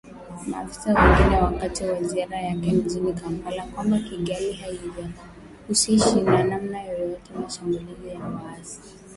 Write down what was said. Maafisa wengine wakati wa ziara yake mjini kampala kwamba Kigali haijihusishi kwa namna yoyote na mashambulizi ya waasi